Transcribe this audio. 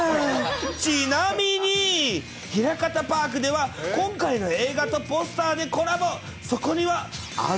ちなみに、ひらかたパークでは、今回の映画とポスターでコラボ。